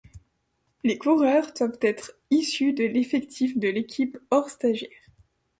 Les coureurs doivent être issus de l'effectif de l'équipe, hors stagiaires.